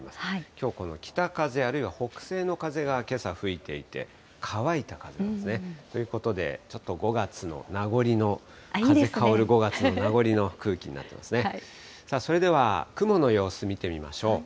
きょうこの北風、あるいは北西の風がけさ吹いていて、乾いた風なんですね。ということで、ちょっと５月の名残の風香る５月の名残の空気になってますね。